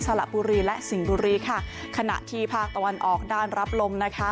ละบุรีและสิงห์บุรีค่ะขณะที่ภาคตะวันออกด้านรับลมนะคะ